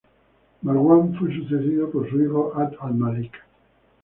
Marwan fue sucedido por su hijo Abd al-Malik.